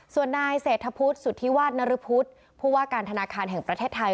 ส่วนนายเศรษฐพุทธสุธิวาสนรพุทธผู้ว่าการธนาคารแห่งประเทศไทย